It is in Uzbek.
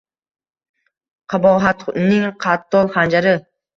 Qabohatning qattol xanjari.